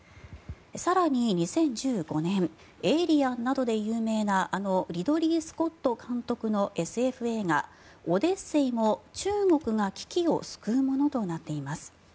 更に、２０１５年「エイリアン」などで有名なあのリドリー・スコット監督のＳＦ映画「オデッセイ」も中国が危機を救うものとなっています。